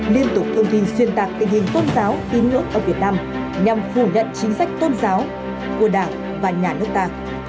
liên tục thông tin xuyên tạc cái nhìn tôn giáo tin ngưỡng ở việt nam nhằm phủ nhận chính sách tôn giáo của đảng và nhà nước ta